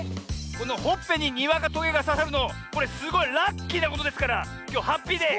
このほっぺににわかとげがささるのこれすごいラッキーなことですからきょうハッピーデー。